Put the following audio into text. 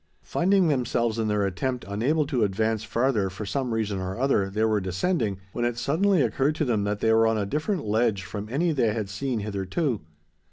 Finding themselves in their attempt unable to advance farther for some reason or other, they were descending, when it suddenly occurred to them that they were on a different ledge from any they had seen hitherto.